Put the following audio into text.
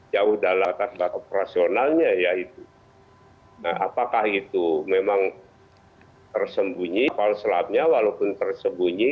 jauh dalam operasionalnya yaitu apakah itu memang tersembunyi kapal selamnya walaupun tersembunyi